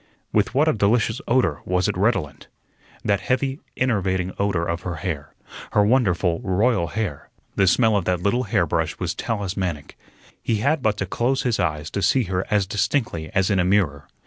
With what a delicious odor was it redolent! That heavy, enervating odor of her hair her wonderful, royal hair! The smell of that little hairbrush was talismanic. He had but to close his eyes to see her as distinctly as in a mirror.